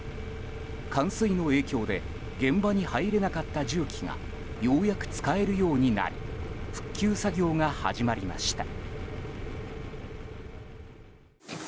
冠水の影響で現場に入れなかった重機がようやく、使えるようになり復旧作業が始まりました。